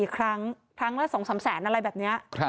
๔ครั้งครั้งละ๒๓แสนอะไรแบบนี้